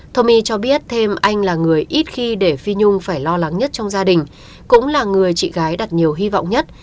thomai cho biết thêm anh là người ít khi để phi nhung phải lo lắng nhất trong gia đình cũng là người chị gái đặt nhiều hy vọng nhất